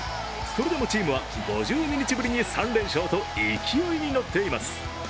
それでもチームは５２日ぶりに３連勝と勢いに乗っています。